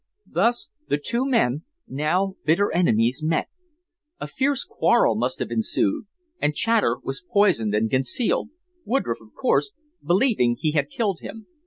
Thus the two men, now bitter enemies, met. A fierce quarrel must have ensued, and Chater was poisoned and concealed, Woodroffe, of course, believing he had killed him.